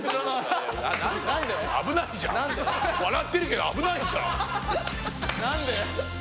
なんで。